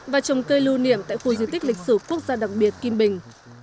và trồng cây lưu niệm tại khu di tích lịch sử quốc gia đặc biệt kim bình